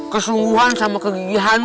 kesungguhan sama kegigihan lo